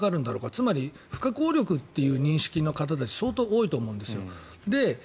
つまり不可抗力という認識の方たち相当多いと思うんですよ。